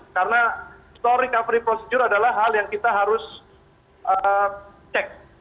karena naik ke atas prosedur recovery adalah hal yang kita harus cek